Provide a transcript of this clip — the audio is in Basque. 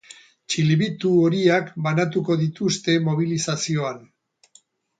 Txilibitu horiak banatuko dituzte mobilizazioan.